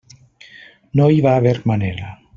No hi va haver manera.